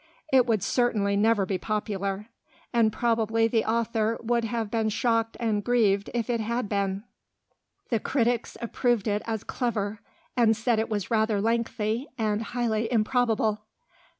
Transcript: It would certainly never be popular, and probably the author would have been shocked and grieved if it had been. The critics approved it as clever, and said it was rather lengthy and highly improbable.